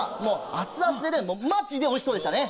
熱々でねマジでおいしそうでしたね。